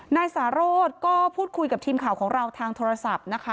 นายสารสก็พูดคุยกับทีมข่าวของเราทางโทรศัพท์นะคะ